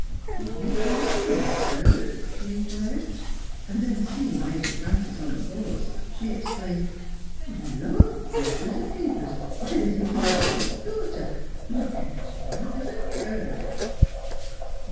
'Did you please to ring, sir? 'she inquired, and then seeing Lady Frances on the horse, she exclaimed, ' Lord bless us and keep us, if it isn't my lord's daughter, looking as white as a curd